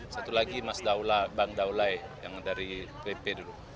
satu lagi mas bang daulai yang dari pp dulu